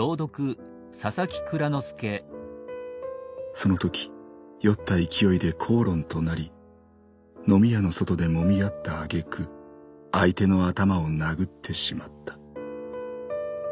そのとき酔った勢いで口論となり飲み屋の外で揉み合った挙句相手の頭を殴ってしまった。